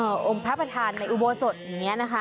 เอ่อองค์พระพระธานในอุโบสถฟรั่งแห่งนี้